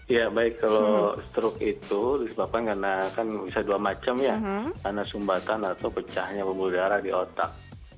ya baik kalau stroke itu disebabkan karena kan bisa dua macam ya karena sumbatan atau pecahnya pembuluh darah di otak